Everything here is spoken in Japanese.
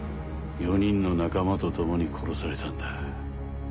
４人の仲間と共に殺されたんだ。